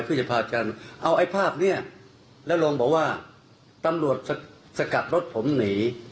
เพื่อจะพากันเอาไอ้ภาพนี้แล้วลองบอกว่าตำรวจสกัดรถผมหนี